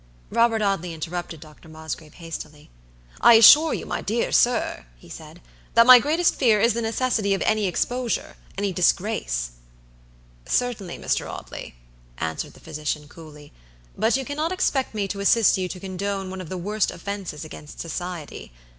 Robert Audley interrupted Dr. Mosgrave, hastily. "I assure you, my dear sir," he said, "that my greatest fear is the necessity of any exposureany disgrace." "Certainly, Mr. Audley," answered the physician, coolly, "but you cannot expect me to assist you to condone one of the worst offenses against society.